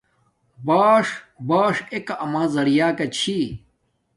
باݽ، باݽ ایکہ اما زیعہ کا چھی